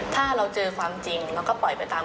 ถ้าเราเจอความจริงเราก็ปล่อยไปตาม